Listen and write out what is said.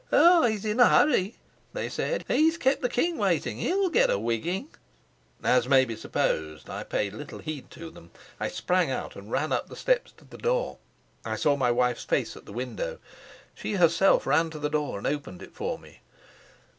"Ah, he's in a hurry," they said. "He's kept the king waiting. He'll get a wigging." As may be supposed, I paid little heed to them. I sprang out and ran up the steps to the door. I saw my wife's face at the window: she herself ran to the door and opened it for me.